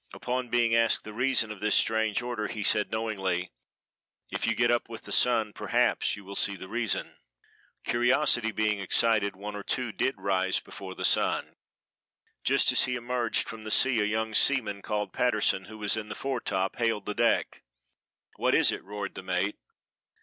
Upon being asked the reason of this strange order he said knowingly, "If you get up with the sun perhaps you will see the reason." Curiosity being excited, one or two did rise before the sun. Just as he emerged from the sea a young seaman called Patterson, who was in the foretop, hailed the deck. "What is it?" roared the mate.